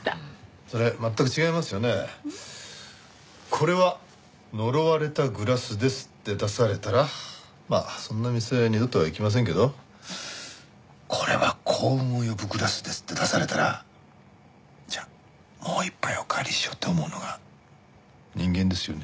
「これは呪われたグラスです」って出されたらまあそんな店二度と行きませんけど「これは幸運を呼ぶグラスです」って出されたら「じゃもう一杯おかわりしよう」って思うのが人間ですよね。